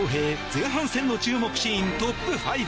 前半戦の注目シーントップ５。